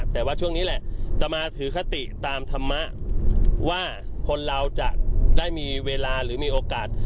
แต่ว่าช่วงนี้แหละจะมาถือคติตามธรรมะว่าคนเราจะได้มีเวลาหรือมีโอกาส